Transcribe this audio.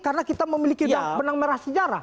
karena kita memiliki benang merah sejarah